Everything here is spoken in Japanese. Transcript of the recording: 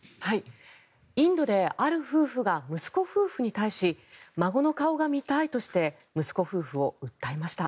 インドである夫婦が息子夫婦に対し孫の顔が見たいとして息子夫婦を訴えました。